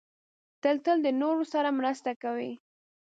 ته تل د نورو سره مرسته کوې.